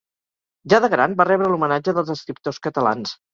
Ja de gran, va rebre l'homenatge dels escriptors catalans.